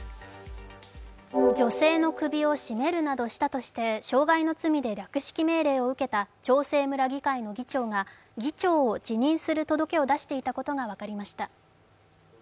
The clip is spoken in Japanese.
女性の首を絞めるなどしたとして傷害の疑いで略式命令を受けた長生村議会の議長が議員を辞職する届けを出していたことが分かりました。